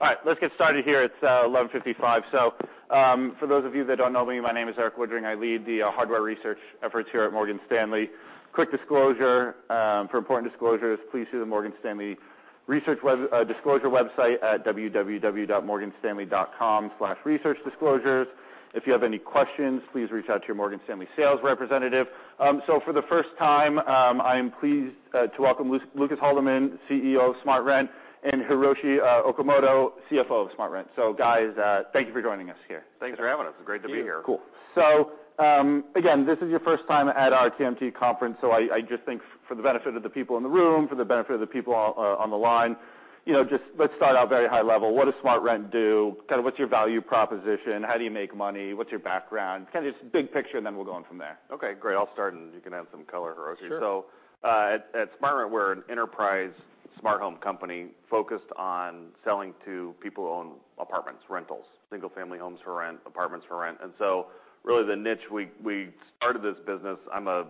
All right, let's get started here. It's 11:55. For those of you that don't know me, my name is Erik Woodring. I lead the hardware research efforts here at Morgan Stanley. Quick disclosure, for important disclosures, please see the Morgan Stanley research disclosure website at www.morganstanley.com/researchdisclosures. If you have any questions, please reach out to your Morgan Stanley sales representative. For the first time, I am pleased to welcome Lucas Haldeman, CEO of SmartRent, and Hiroshi Okamoto, CFO of SmartRent. Guys, thank you for joining us here. Thanks for having us. Great to be here. Thank you. Cool. Again, this is your first time at our TMT conference, so I just think for the benefit of the people in the room, for the benefit of the people on the line, you know, just let's start out very high level. What does SmartRent do? Kinda what's your value proposition? How do you make money? What's your background? Kinda just big picture, and then we'll go on from there. Okay, great. I'll start, and you can add some color, Hiroshi. Sure. At SmartRent, we're an enterprise smart home company focused on selling to people who own apartments, rentals, single-family homes for rent, apartments for rent. Really the niche we started this business, I'm a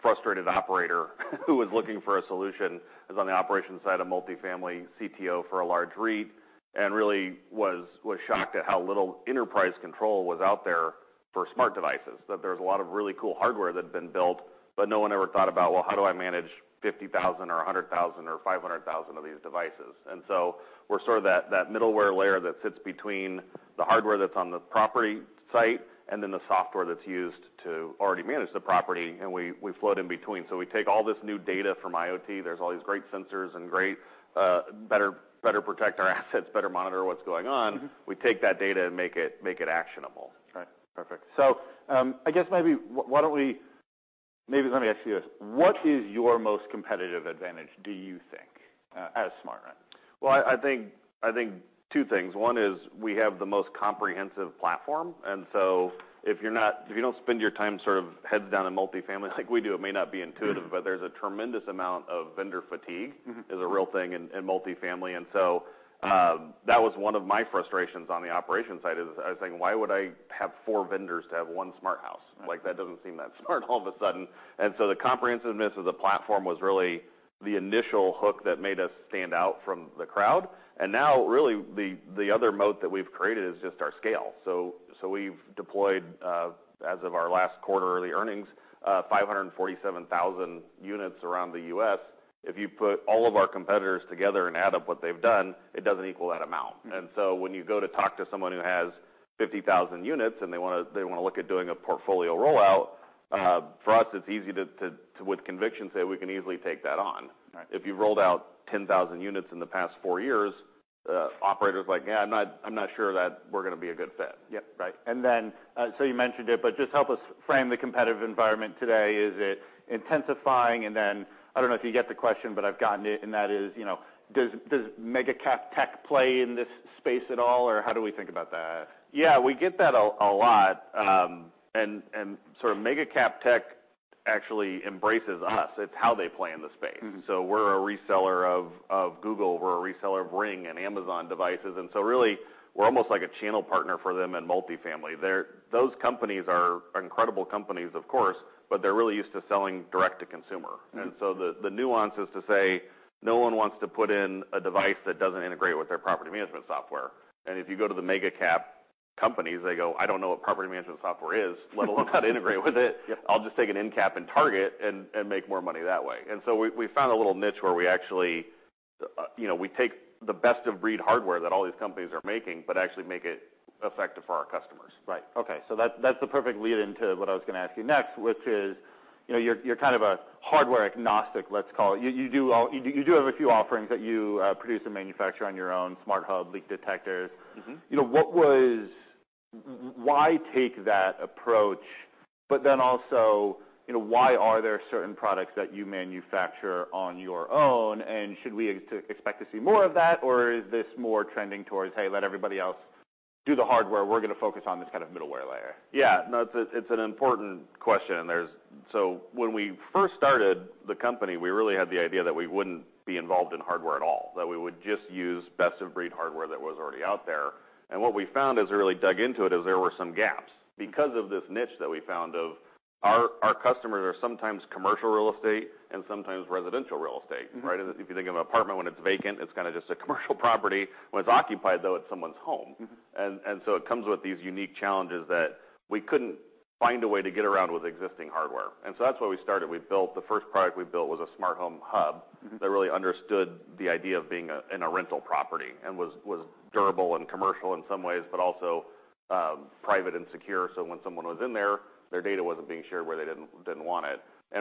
frustrated operator who was looking for a solution. I was on the operations side of multifamily CTO for a large REIT, and really was shocked at how little enterprise control was out there for smart devices. That there's a lot of really cool hardware that had been built, but no one ever thought about, well, how do I manage 50,000 or 100,000 or 500,000 of these devices? We're sort of that middleware layer that sits between the hardware that's on the property site and then the software that's used to already manage the property, and we float in between. We take all this new data from IoT. There's all these great sensors and great, better protect our assets, better monitor what's going on. Mm-hmm. We take that data and make it actionable. Right. Perfect. I guess maybe let me ask you this. What is your most competitive advantage do you think as SmartRent? Well, I think two things. One is we have the most comprehensive platform, and so if you don't spend your time sort of heads down in multifamily like we do, it may not be intuitive, but there's a tremendous amount of vendor fatigue. Mm-hmm It's a real thing in multifamily. That was one of my frustrations on the operations side is I was saying, "Why would I have four vendors to have one smart house?" Like, that doesn't seem that smart all of a sudden. The comprehensiveness of the platform was really the initial hook that made us stand out from the crowd. Now really the other moat that we've created is just our scale. We've deployed, as of our last quarter early earnings, 547,000 units around the U.S. If you put all of our competitors together and add up what they've done, it doesn't equal that amount. Mm. When you go to talk to someone who has 50,000 units and they want to look at doing a portfolio rollout, for us, it's easy to with conviction say we can easily take that on. Right. If you've rolled out 10,000 units in the past 4 years, operator's like, "Yeah, I'm not sure that we're going to be a good fit. Yep. Right. You mentioned it, but just help us frame the competitive environment today. Is it intensifying? I don't know if you get the question, but I've gotten it, and that is, you know, does mega cap tech play in this space at all, or how do we think about that? Yeah, we get that a lot. Sort of mega cap tech actually embraces us. It's how they play in the space. Mm-hmm. We're a reseller of Google, we're a reseller of Ring and Amazon devices, and so really, we're almost like a channel partner for them in multifamily. Those companies are incredible companies, of course, but they're really used to selling direct to consumer. Mm. The nuance is to say, no one wants to put in a device that doesn't integrate with their property management software. If you go to the mega cap companies, they go, "I don't know what property management software is, let alone how to integrate with it. Yep. I'll just take an end cap in Target and make more money that way. We found a little niche where we actually, you know, we take the best of breed hardware that all these companies are making, but actually make it effective for our customers. Right. Okay. That, that's the perfect lead into what I was going to ask you next, which is, you know, you're kind of a hardware agnostic, let's call it. You do have a few offerings that you produce and manufacture on your own, smart hub, leak detectors. Mm-hmm. You know, why take that approach, but then also, you know, why are there certain products that you manufacture on your own? Should we expect to see more of that, or is this more trending towards, hey, let everybody else do the hardware, we're going to focus on this kind of middleware layer? Yeah. No, it's a, it's an important question. When we first started the company, we really had the idea that we wouldn't be involved in hardware at all, that we would just use best of breed hardware that was already out there. What we found as we really dug into it is there were some gaps. Because of this niche that we found of our customers are sometimes commercial real estate and sometimes residential real estate, right? Mm-hmm. If you think of an apartment when it's vacant, it's kind of just a commercial property. When it's occupied though, it's someone's home. Mm-hmm. It comes with these unique challenges that we couldn't find a way to get around with existing hardware. That's why we started. The first product we built was a smart home hub. Mm-hmm ...that really understood the idea of being a, in a rental property and was durable and commercial in some ways, but also private and secure, so when someone was in there, their data wasn't being shared where they didn't want it.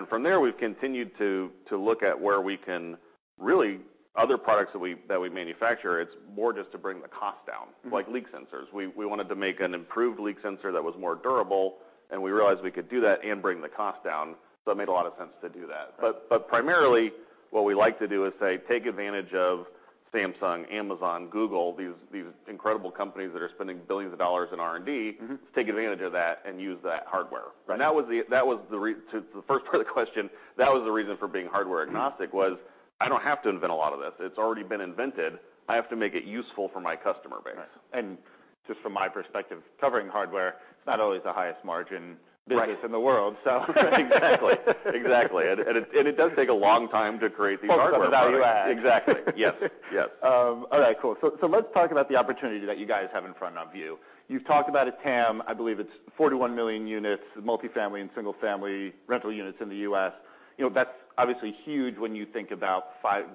From there, we've continued to look at where we can. Really other products that we manufacture, it's more just to bring the cost down. Mm. Like leak sensors. We wanted to make an improved leak sensor that was more durable. We realized we could do that and bring the cost down. It made a lot of sense to do that. Right. Primarily what we like to do is say take advantage of Samsung, Amazon, Google, these incredible companies that are spending billions of dollars in R&D, Mm-hmm... to take advantage of that and use that hardware. Right. That was the to the first part of the question, that was the reason for being hardware agnostic was I don't have to invent a lot of this. It's already been invented. I have to make it useful for my customer base. Right. Just from my perspective, covering hardware, it's not always the highest margin business- Right in the world, so Exactly. It does take a long time to create these hardware products. Pull some value add. Exactly, yes. Yes. All right, cool. Let's talk about the opportunity that you guys have in front of you. You've talked about a TAM, I believe it's 41 million units, multifamily and single-family rental units in the U.S. You know, that's obviously huge when you think about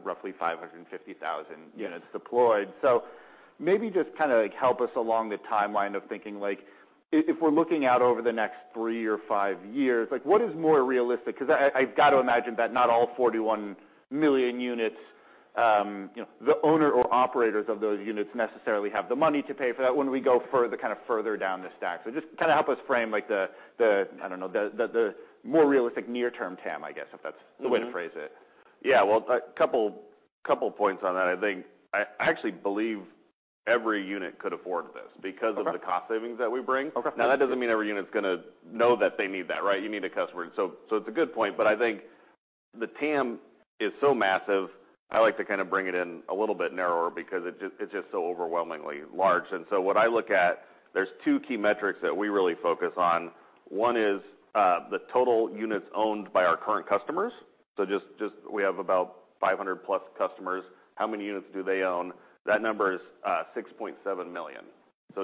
roughly 550,000 units deployed. Maybe just kind of like help us along the timeline of thinking like if we're looking out over the next three or five years, like what is more realistic? Cause I've got to imagine that not all 41 million units, you know, the owner or operators of those units necessarily have the money to pay for that when we go further, kind of further down the stack. Just kind of help us frame like the, I don't know, the more realistic near term TAM, I guess, if that's- Mm-hmm the way to phrase it. Yeah. Well, a couple points on that. I think, I actually believe every unit could afford this. Okay of the cost savings that we bring. Okay. That doesn't mean every unit's going to know that they need that, right? You need a customer. It's a good point, but I think the TAM is so massive, I like to kind of bring it in a little bit narrower because it's just so overwhelmingly large. What I look at, there's two key metrics that we really focus on. One is the total units owned by our current customers. Just we have about 500 plus customers. How many units do they own? That number is 6.7 million.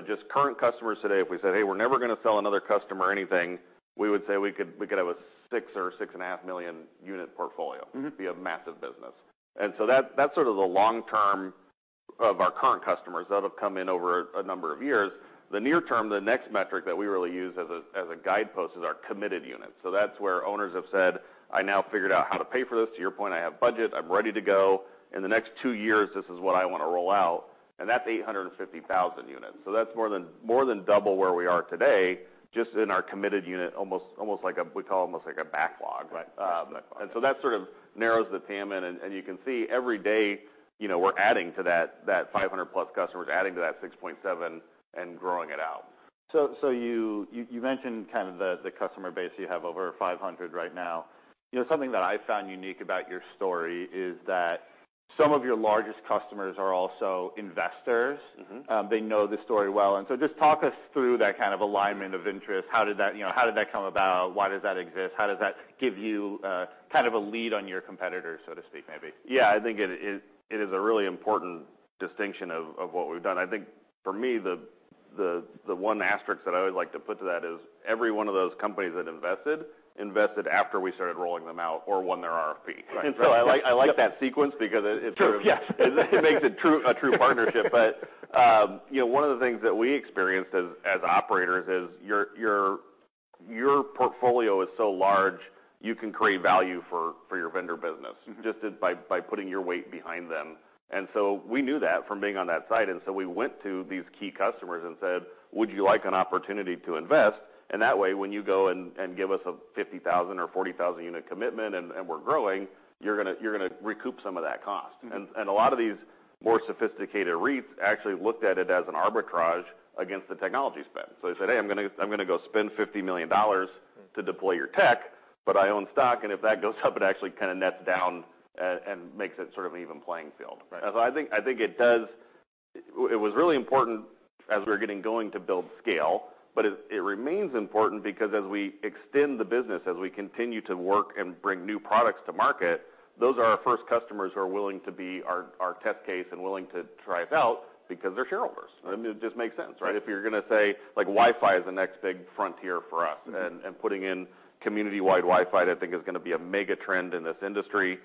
Just current customers today, if we said, "Hey, we're never going to sell another customer anything," we would say we could have a 6 or 6.5 million unit portfolio. Mm-hmm. It'd be a massive business. That's sort of the long term of our current customers that have come in over a number of years. The near term, the next metric that we really use as a guidepost is our committed units. That's where owners have said, "I now figured out how to pay for this. To your point, I have budget. I'm ready to go. In the next two years, this is what I want to roll out," and that's 850,000 units. That's more than double where we are today, just in our committed unit, almost like a, we call almost like a backlog. Right. Backlog. That sort of narrows the TAM end, you can see every day, you know, we're adding to that 500 plus customers, adding to that 6.7 and growing it out. You mentioned kind of the customer base, you have over 500 right now. You know, something that I found unique about your story is that some of your largest customers are also investors. Mm-hmm. They know the story well, and so just talk us through that kind of alignment of interest. How did that, you know, how did that come about? Why does that exist? How does that give you kind of a lead on your competitors, so to speak, maybe? Yeah. I think it is a really important distinction of what we've done. I think for me, the one asterisk that I always like to put to that is every one of those companies that invested after we started rolling them out or won their RFP. Right. I like that sequence because it. Sure. Yeah.... it makes a true partnership. you know, one of the things that we experienced as operators is your portfolio is so large, you can create value for your vendor. Mm-hmm This is just by putting your weight behind them. We knew that from being on that side, we went to these key customers and said, "Would you like an opportunity to invest? That way, when you go and give us a 50,000- or 40,000-unit commitment and we're growing, you're going to recoup some of that cost. Mm-hmm. A lot of these more sophisticated REITs actually looked at it as an arbitrage against the technology spend. They said, "Hey, I'm going to, I'm going to go spend $50 million to deploy your tech, but I own stock, and if that goes up, it actually kind of nets down and makes it sort of an even playing field. Right. I think it was really important as we were getting going to build scale, but it remains important because as we extend the business, as we continue to work and bring new products to market, those are our first customers who are willing to be our test case and willing to try us out because they're shareholders. I mean, it just makes sense, right? If you're going to say like, Wi-Fi is the next big frontier for us. Mm-hmm And putting in community-wide Wi-Fi, I think, is going to be a mega trend in this industry.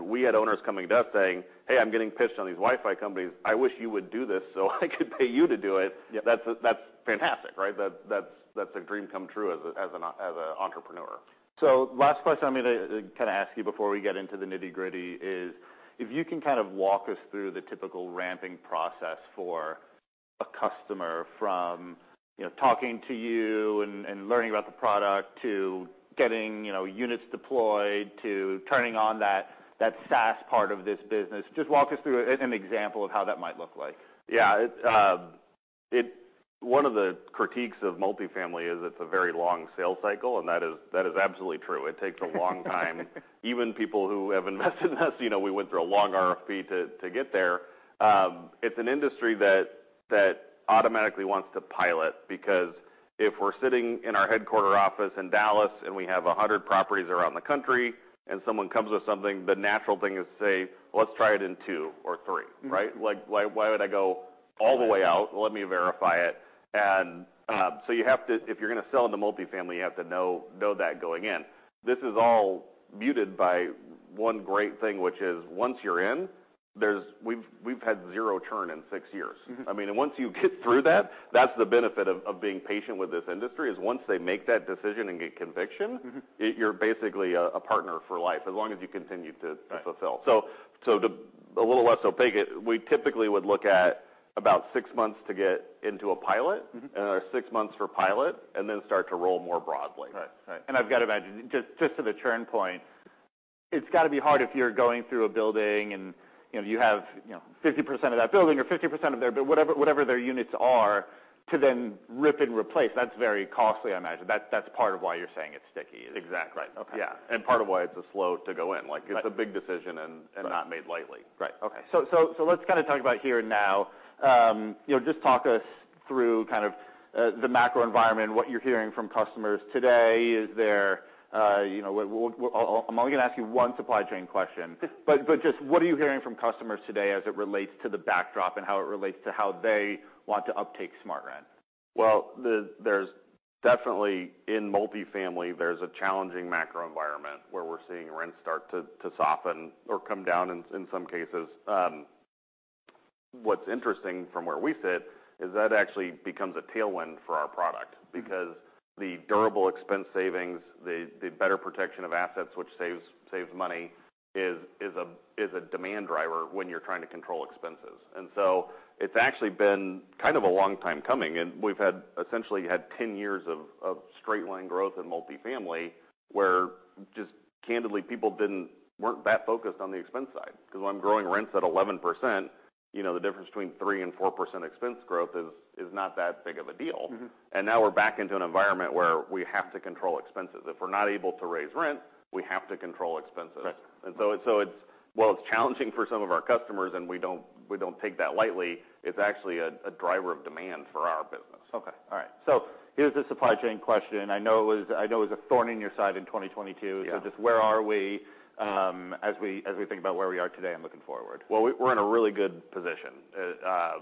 We had owners coming to us saying, "Hey, I'm getting pitched on these Wi-Fi companies. I wish you would do this so I could pay you to do it. Yep. That's fantastic, right? That's a dream come true as an entrepreneur. Last question I'm going to kind of ask you before we get into the nitty-gritty is if you can kind of walk us through the typical ramping process for a customer from, you know, talking to you and learning about the product to getting, you know, units deployed, to turning on that SaaS part of this business. Just walk us through an example of how that might look like. Yeah. It One of the critiques of multifamily is it's a very long sales cycle, and that is absolutely true. It takes a long time. Even people who have invested in us, you know, we went through a long RFP to get there. It's an industry that automatically wants to pilot, because if we're sitting in our headquarter office in Dallas and we have 100 properties around the country and someone comes with something, the natural thing is say, "Let's try it in two or three," right? Mm-hmm. Like, "Why, why would I go all the way out? Let me verify it." If you're going to sell into multifamily, you have to know that going in. This is all muted by one great thing, which is once you're in, we've had zero churn in six years. Mm-hmm. I mean, once you get through that's the benefit of being patient with this industry is once they make that decision and get conviction. Mm-hmm You're basically a partner for life as long as you continue to fulfill. Right. A little less so big, we typically would look at About six months to get into a pilot. Mm-hmm. Another six months for pilot, and then start to roll more broadly. Right. Right. I've got to imagine, just to the turn point, it's got to be hard if you're going through a building and, you know, you have, you know, 50% of that building or 50% of their units are, to then rip and replace. That's very costly, I imagine. That's part of why you're saying it's sticky. Exactly. Right. Okay. Yeah. part of why it's a slow to go in. Right it's a big decision and not made lightly. Right. Okay. Let's kind of talk about here and now. you know, just talk us through kind of, the macro environment, what you're hearing from customers today. Is there, you know, I'm only going to ask you one supply chain question. Just what are you hearing from customers today as it relates to the backdrop and how it relates to how they want to uptake SmartRent? Well, there's definitely, in multifamily, there's a challenging macro environment where we're seeing rents start to soften or come down in some cases. What's interesting from where we sit is that actually becomes a tailwind for our product. Mm-hmm. Because the durable expense savings, the better protection of assets, which saves money, is a demand driver when you're trying to control expenses. It's actually been kind of a long time coming, and we've essentially had 10 years of straight line growth in multifamily, where just candidly, people weren't that focused on the expense side. When growing rents at 11%, you know, the difference between 3% and 4% expense growth is not that big of a deal. Mm-hmm. Now we're back into an environment where we have to control expenses. If we're not able to raise rent, we have to control expenses. Right. While it's challenging for some of our customers, and we don't take that lightly, it's actually a driver of demand for our business. Okay. All right. Here's the supply chain question. I know it was a thorn in your side in 2022. Yeah. just where are we, as we think about where we are today and looking forward? Well, we're in a really good position. I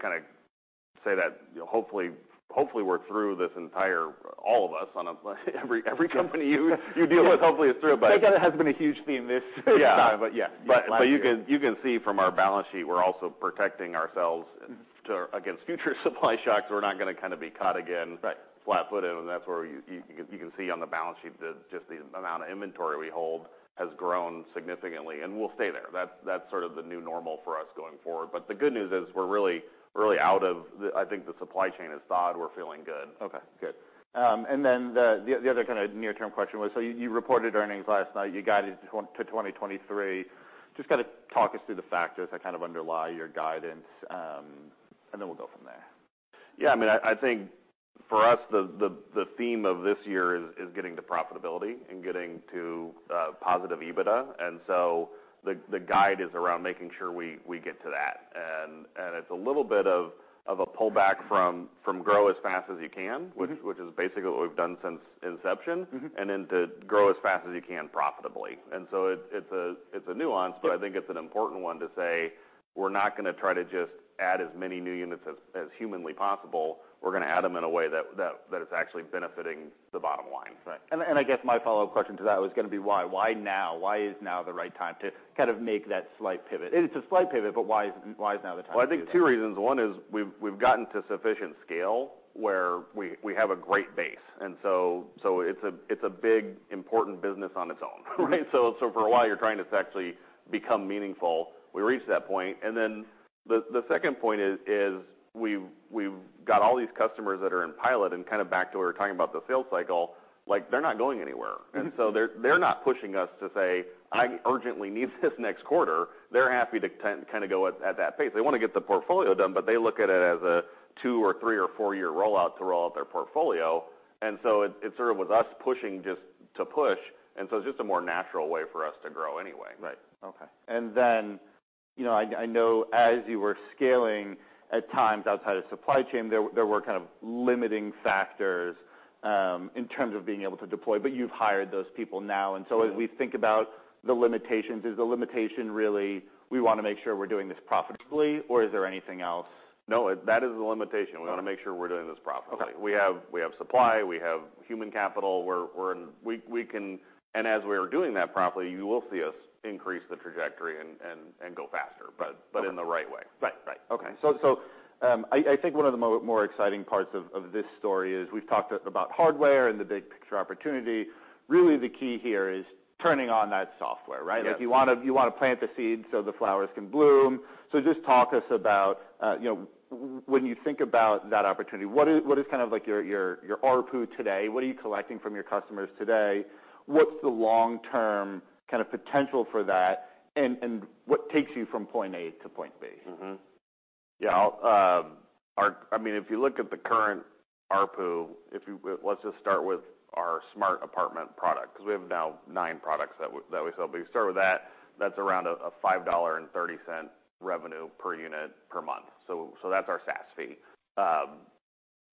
kind of say that, you know, hopefully we're through this entire, all of us, every company you deal with, hopefully is through. It has been a huge theme this time. Yeah. Yeah. Last year. you can see from our balance sheet, we're also protecting ourselves. Mm-hmm against future supply shocks. We're not going to kind of be caught again, Right flat-footed. That's where you can see on the balance sheet just the amount of inventory we hold has grown significantly, and we'll stay there. That's sort of the new normal for us going forward. The good news is we're really. I think the supply chain is thawed. We're feeling good. Okay. Good. The other kind of near-term question was, you reported earnings last night. You guided to 2023. Just kind of talk us through the factors that kind of underlie your guidance, we'll go from there. Yeah. I mean, I think for us, the theme of this year is getting to profitability and getting to positive EBITDA. So the guide is around making sure we get to that. It's a little bit of a pullback from grow as fast as you can. Mm-hmm... which is basically what we've done since inception. Mm-hmm. Then to grow as fast as you can profitably. So it's a, it's a. Yeah... I think it's an important one to say, we're not going to try to just add as many new units as humanly possible. We're going to add them in a way that is actually benefiting the bottom line. Right. I guess my follow-up question to that was going to be why? Why now? Why is now the right time to kind of make that slight pivot? It's a slight pivot, why is now the time to do that? I think two reasons. One is we've gotten to sufficient scale where we have a great base, and so it's a, it's a big, important business on its own, right? Mm-hmm. For a while you're trying to actually become meaningful. We reached that point. The second point is we've got all these customers that are in pilot and kind of back to what we were talking about the sales cycle, like, they're not going anywhere. Mm-hmm. They're, they're not pushing us to say, "I urgently need this next quarter." They're happy to kind of go at that pace. They want to get the portfolio done, but they look at it as a two- or three- or four-year rollout to roll out their portfolio. It, it sort of was us pushing just to push, and so it's just a more natural way for us to grow anyway. Right. Okay. you know, I know as you were scaling at times outside of supply chain, there were kind of limiting factors, in terms of being able to deploy. you've hired those people now. Mm-hmm as we think about the limitations, is the limitation really we want to make sure we're doing this profitably, or is there anything else? No. That is the limitation. We want to make sure we're doing this profitably. Okay. We have supply, we have human capital. We can. As we are doing that profitably, you will see us increase the trajectory and go faster. Right But in the right way. Right. Okay. I think one of the more exciting parts of this story is we've talked about hardware and the big picture opportunity. Really, the key here is turning on that software, right? Yeah. Like, you want to plant the seed so the flowers can bloom. Just talk to us about, you know, when you think about that opportunity, what is kind of like your ARPU today? What are you collecting from your customers today? What's the long-term kind of potential for that? What takes you from point A to point B? Mm-hmm. Yeah. I'll, I mean, if you look at the current ARPU, Let's just start with our smart apartment product, cause we have now nine products that we sell. you start with that's around a $5.30 revenue per unit per month. that's our SaaS fee.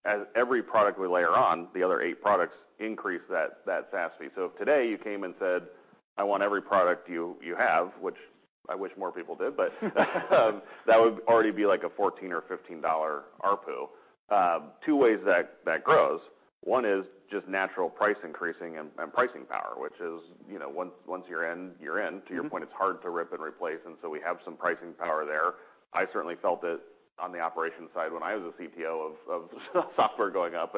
As every product we layer on, the other eight products increase that SaaS fee. If today you came and said, "I want every product you have," which I wish more people did, that would already be like a $14 or $15 ARPU. Two ways that grows. One is just natural price increasing and pricing power, which is, you know, once you're in, you're in. Mm-hmm. To your point, it's hard to rip and replace, we have some pricing power there. I certainly felt it on the operations side when I was a CPO of software going up,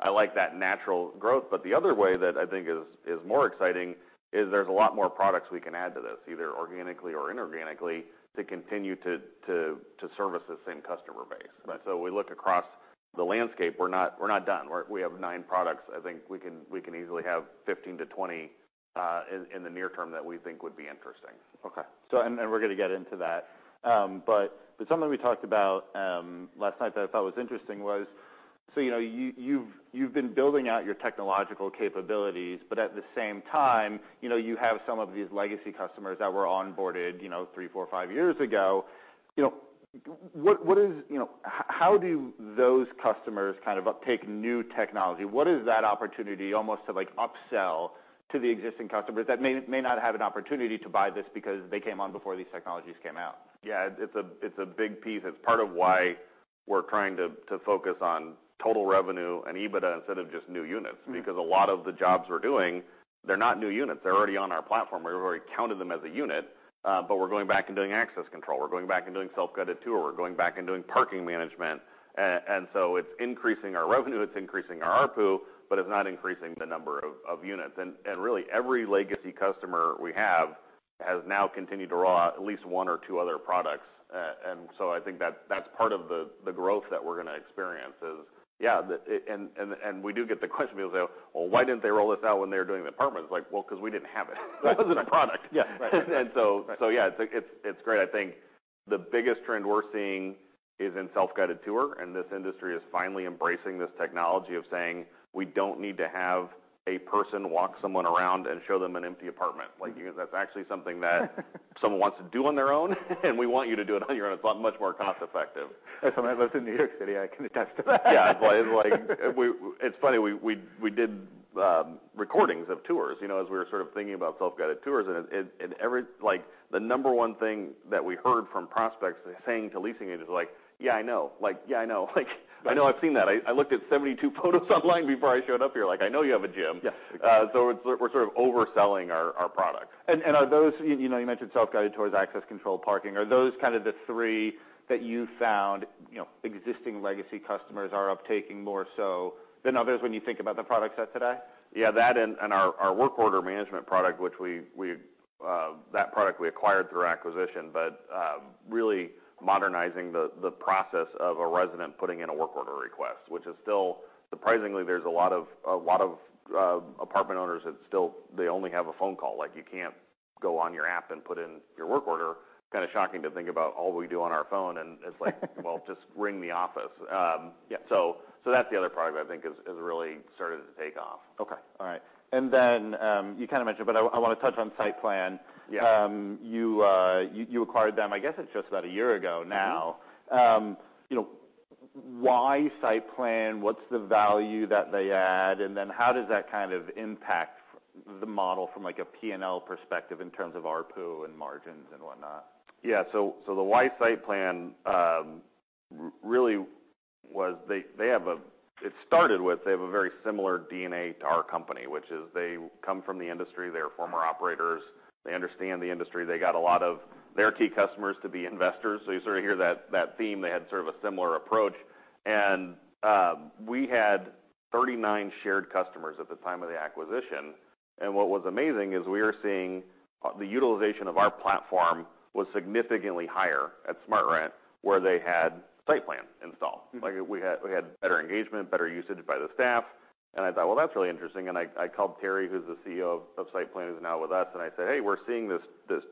I like that natural growth. The other way that I think is more exciting is there's a lot more products we can add to this, either organically or inorganically, to continue to service the same customer base. Right. We look across the landscape, we're not done. We have nine products. I think we can easily have 15 to 20 in the near term that we think would be interesting. Okay. And we're going to get into that. But something we talked about last night that I thought was interesting was, you know, you've been building out your technological capabilities, but at the same time, you know, you have some of these legacy customers that were onboarded, you know, three, four, five years ago. You know, what is? You know, how do those customers kind of uptake new technology? What is that opportunity almost to, like, upsell to the existing customers that may not have an opportunity to buy this because they came on before these technologies came out? Yeah. It's a big piece. It's part of why we're trying to focus on total revenue and EBITDA instead of just new units. Mm-hmm. A lot of the jobs we're doing, they're not new units. They're already on our platform. We've already counted them as a unit, but we're going back and doing access control. We're going back and doing self-guided tour. We're going back and doing parking management. So it's increasing our revenue, it's increasing our ARPU, but it's not increasing the number of units. Really every legacy customer we have has now continued to draw at least one or two other products. So I think that's part of the growth that we're going to experience is, yeah. We do get the question, people say, "Well, why didn't they roll this out when they were doing the apartments?" Like, "Well, cause we didn't have it. Right. It wasn't a product. Yeah. Right. And so- Right Yeah, it's great. I think the biggest trend we're seeing is in self-guided tour, and this industry is finally embracing this technology of saying, we don't need to have a person walk someone around and show them an empty apartment. Mm-hmm. Like, you know, that's actually something someone wants to do on their own, and we want you to do it on your own. It's much more cost effective. As someone who lives in New York City, I can attest to that. Yeah. Well, it's like It's funny, we did recordings of tours, you know, as we were sort of thinking about self-guided tours, and it. Like, the number one thing that we heard from prospects saying to leasing agents like, "Yeah, I know." Like, "Yeah, I know." Like, "I know. I've seen that. I looked at 72 photos online before I showed up here. Like, I know you have a gym. Yes. We're sort of overselling our product. Are those, you know, you mentioned self-guided tours, access control, parking. Are those kind of the three that you found, you know, existing legacy customers are up taking more so than others when you think about the product set today? Yeah. That and our work order management product, which we, that product we acquired through acquisition. Really modernizing the process of a resident putting in a work order request, which is still. Surprisingly, there's a lot of apartment owners that still, they only have a phone call. Like, you can't go on your app and put in your work order. Kinda shocking to think about all we do on our phone, and it's like, well, just ring the office. Yeah... so that's the other product I think has really started to take off. Okay. All right. You kind of mentioned, but I want to touch on SightPlan. Yeah. You acquired them, I guess it's just about a year ago now. Mm-hmm. You know, why SightPlan? What's the value that they add? How does that kind of impact the model from, like, a P&L perspective in terms of ARPU and margins and whatnot? Yeah. The why SightPlan, really was It started with, they have a very similar DNA to our company, which is they come from the industry, they are former operators, they understand the industry. They got a lot of their key customers to be investors. You sort of hear that theme. They had sort of a similar approach. We had 39 shared customers at the time of the acquisition. What was amazing is we were seeing the utilization of our platform was significantly higher at SmartRent, where they had SightPlan installed. Mm-hmm. Like, we had better engagement, better usage by the staff. I thought, "Well, that's really interesting." I called Terry, who's the CEO of SightPlan, who's now with us, and I said, "Hey, we're seeing this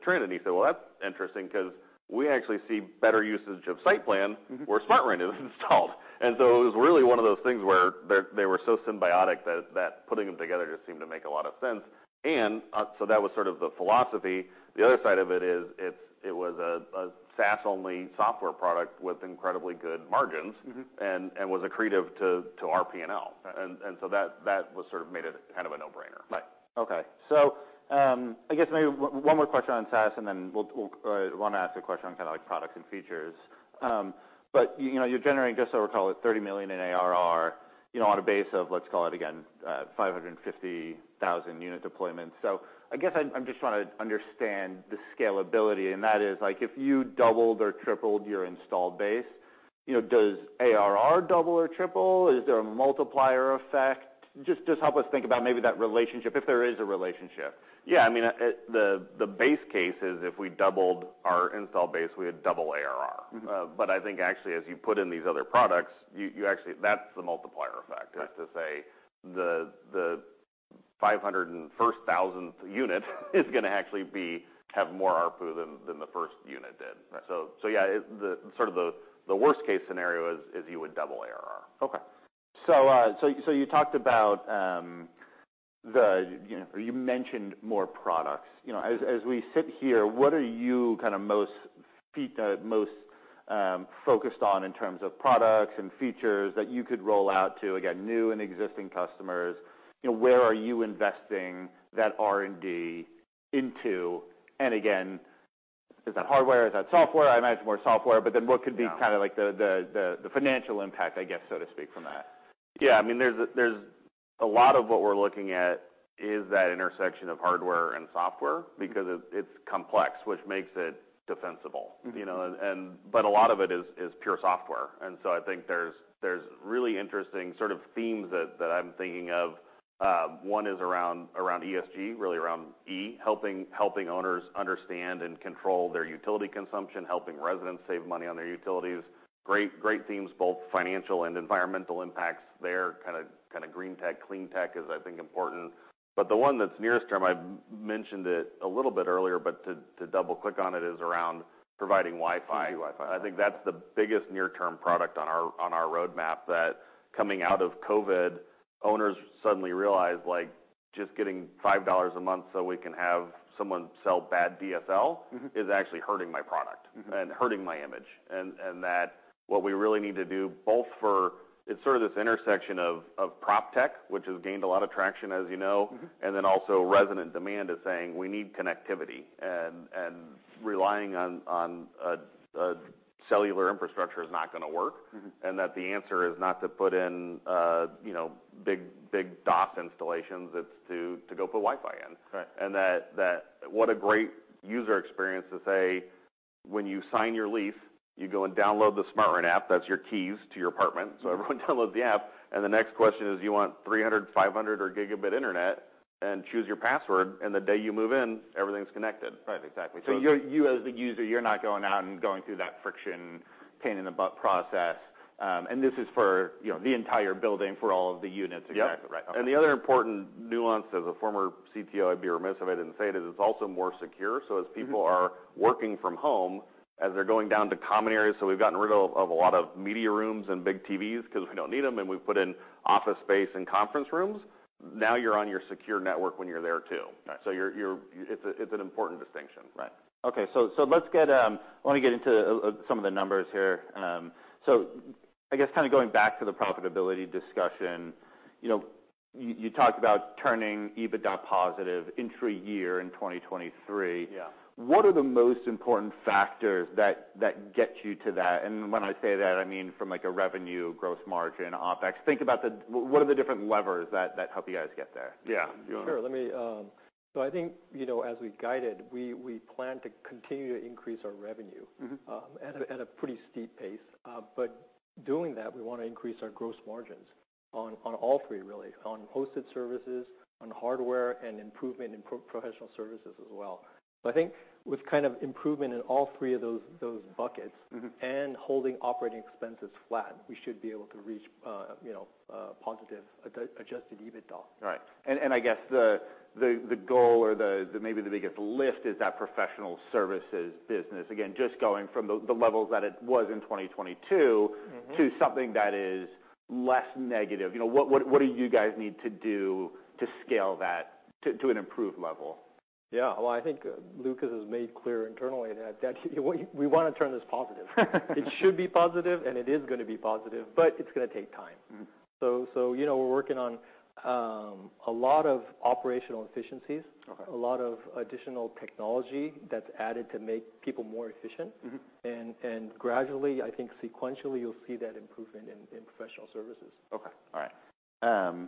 trend." He said, "Well, that's interesting cause we actually see better usage of SightPlan- Mm-hmm... where SmartRent is installed. It was really one of those things where they were so symbiotic that putting them together just seemed to make a lot of sense. So that was sort of the philosophy. The other side of it is, it was a SaaS-only software product with incredibly good margins- Mm-hmm... and was accretive to our P&L. That was sort of made it kind of a no-brainer. Okay. I guess maybe one more question on SaaS, and then we'll I want to ask a question on kind of, like, products and features. You know, you're generating, just so we're clear, $30 million in ARR, you know, on a base of, let's call it again, 550,000 unit deployments. I guess I'm just trying to understand the scalability, and that is, like, if you doubled or tripled your installed base, you know, does ARR double or triple? Is there a multiplier effect? Just help us think about maybe that relationship if there is a relationship. Yeah. I mean, the base case is if we doubled our install base, we would double ARR. Mm-hmm. I think actually as you put in these other products, you actually, that's the multiplier effect. Right is to say the 501,000 unit is going to actually be, have more ARPU than the first unit did. Right. Yeah, the, sort of the, worst case scenario is you would double ARR. Okay. You talked about, the, you know, you mentioned more products. You know, as we sit here, what are you kind of most focused on in terms of products and features that you could roll out to, again, new and existing customers? You know, where are you investing that R&D into? Again, is that hardware? Is that software? I imagine it's more software, what could... Yeah... kind of like the financial impact, I guess, so to speak, from that? Yeah. I mean, there's a lot of what we're looking at is that intersection of hardware and software because it's complex, which makes it defensible. Mm-hmm. You know? But a lot of it is pure software. I think there's really interesting sort of themes that I'm thinking of. One is around ESG, really around E, helping owners understand and control their utility consumption, helping residents save money on their utilities. Great themes, both financial and environmental impacts there. Kinda green tech, clean tech is, I think, important. The one that's nearest term, I mentioned it a little bit earlier, but to double-click on it, is around providing Wi-Fi. 2.4GHz Wi-Fi. I think that's the biggest near-term product on our roadmap that, coming out of COVID, owners suddenly realized, like, just getting $5 a month so we can have someone sell bad DSL- Mm-hmm is actually hurting my product-. Mm-hmm... and hurting my image. That what we really need to do. It's sort of this intersection of proptech, which has gained a lot of traction, as you know. Mm-hmm. Also resident demand is saying, "We need connectivity." relying on a cellular infrastructure is not going to work. Mm-hmm. That the answer is not to put in, you know, big DAS installations. It's to go put Wi-Fi in. Right. That what a great user experience to say, "When you sign your lease, you go and download the SmartRent app. That's your keys to your apartment." Everyone download the app, the next question is, "You want 300, 500 or gigabit internet?" Choose your password. The day you move in, everything's connected. Right, exactly. You as the user, you're not going out and going through that friction, pain-in-the-butt process. This is for, you know, the entire building for all of the units. Yep exactly. Right. Okay. The other important nuance, as a former CTO, I'd be remiss if I didn't say it, is it's also more secure. Mm-hmm. As people are working from home, as they're going down to common areas, we've gotten rid of a lot of media rooms and big TVs cause we don't need them, and we've put in office space and conference rooms. Now you're on your secure network when you're there too. Right. You're an important distinction. Right. Okay. Let's get... I want to get into some of the numbers here. I guess kind of going back to the profitability discussion, you know, you talked about turning EBITDA positive intra-year in 2023. Yeah. What are the most important factors that get you to that? When I say that, I mean from like a revenue gross margin, OpEx. What are the different levers that help you guys get there? Yeah. Sure. Let me... I think, you know, as we guided, we plan to continue to increase our revenue. Mm-hmm... at a pretty steep pace. Doing that, we want to increase our gross margins on all three, really. On hosted services, on hardware, and improvement in professional services as well. I think with kind of improvement in all three of those buckets... Mm-hmm... and holding operating expenses flat, we should be able to reach, you know, positive adjusted EBITDA. Right. I guess the goal or the maybe the biggest lift is that professional services business. Again, just going from the levels that it was in 2022. Mm-hmm... to something that is less negative. You know, what do you guys need to do to scale that to an improved level? Yeah. Well, I think Lucas has made clear internally that we want to turn this positive. It should be positive, and it is going to be positive, but it's going to take time. Mm-hmm. You know, we're working on a lot of operational efficiencies. Okay. A lot of additional technology that's added to make people more efficient. Mm-hmm. Gradually, I think sequentially, you'll see that improvement in professional services. Okay. All right.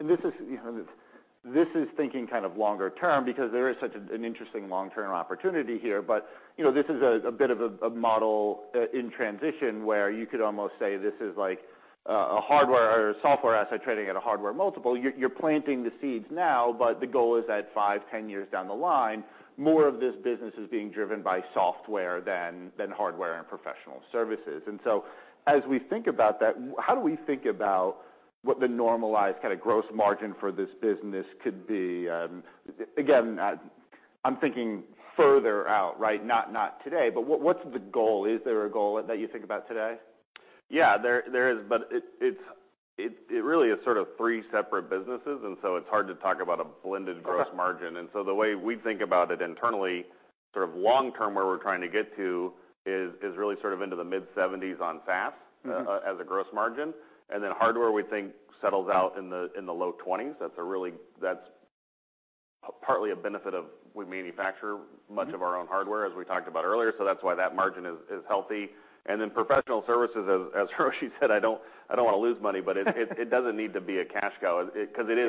This is, you know, this is thinking kind of longer term because there is such an interesting long-term opportunity here. You know, this is a bit of a model in transition where you could almost say this is like a hardware or software asset trading at a hardware multiple. You're planting the seeds now, but the goal is that five, 10 years down the line, more of this business is being driven by software than hardware and professional services. As we think about that, how do we think about what the normalized kinda gross margin for this business could be? Again, I'm thinking further out, right? Not today. What's the goal? Is there a goal that you think about today? Yeah. There is. It, it's, it really is sort of three separate businesses, and so it's hard to talk about a blended gross margin. The way we think about it internally, sort of long term where we're trying to get to is really sort of into the mid-70s on SaaS- Mm-hmm... as a gross margin. Then hardware we think settles out in the low twenties. That's a really... That's partly a benefit of we manufacture much of our own hardware, as we talked about earlier, so that's why that margin is healthy. Then professional services, as Hiroshi said, I don't wanna lose money. It doesn't need to be a cash cow. Yeah,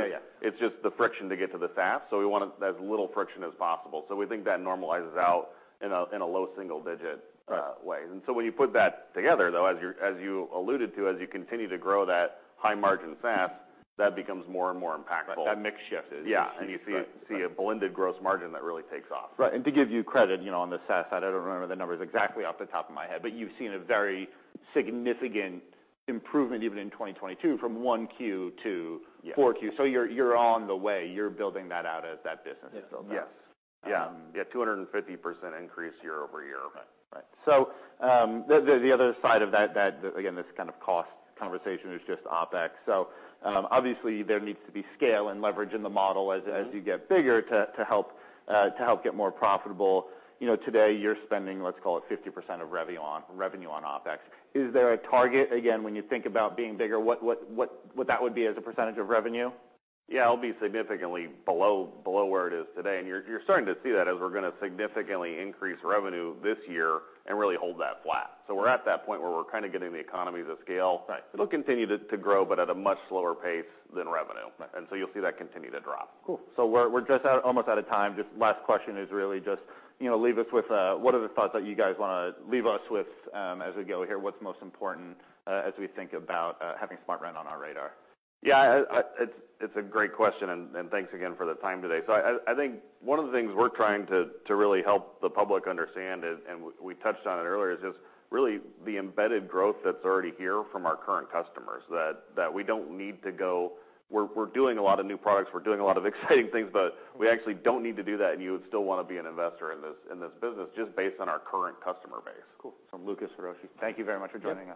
yeah ...it's just the friction to get to the SaaS. We want as little friction as possible. We think that normalizes out in a low single digit. Right When you put that together though, as you alluded to, as you continue to grow that high margin SaaS, that becomes more and more impactful. Right. That mix shift. Yeah. Right see a blended gross margin that really takes off. Right. To give you credit, you know, on the SaaS side, I don't remember the numbers exactly off the top of my head, but you've seen a very significant improvement even in 2022 from 1Q to- Yeah 4Q. You're on the way. You're building that out at that business. Yeah. Yes. Yeah. Yeah, 250% increase year-over-year. Right. Right. The other side of that, again, this kind of cost conversation is just OpEx. Obviously there needs to be scale and leverage in the model. Mm-hmm... as you get bigger to help get more profitable. You know, today you're spending, let's call it 50% of revenue on OpEx. Is there a target, again, when you think about being bigger, what that would be as a % of revenue? Yeah. It'll be significantly below where it is today. You're starting to see that as we're gonna significantly increase revenue this year and really hold that flat. Right. We're at that point where we're kinda getting the economies of scale. Right. It'll continue to grow, but at a much slower pace than revenue. Right. You'll see that continue to drop. Cool. We're almost out of time. Just last question is really just, you know, leave us with what are the thoughts that you guys wanna leave us with as we go here? What's most important as we think about having SmartRent on our radar? Yeah. I It's a great question, and thanks again for the time today. I think one of the things we're trying to really help the public understand, and we touched on it earlier, is just really the embedded growth that's already here from our current customers, that we don't need to. We're doing a lot of new products. We're doing a lot of exciting things, but we actually don't need to do that and you would still wanna be an investor in this business just based on our current customer base. Cool. Lucas, Hiroshi, thank you very much for joining us.